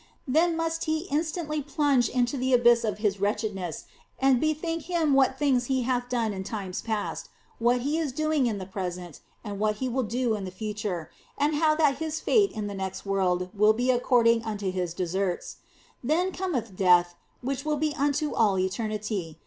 Then must he instantly plunge into the abyss of his wretchedness and bethink him what things he hath done in times past, what he is doing in the present, and what he will do in the future, and how that his fate in the next world will be according unto his deserts. Then cometh death, which will be unto all eternity.